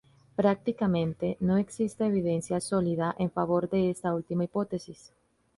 Prácticamente no existe evidencia sólida en favor de esta última hipótesis.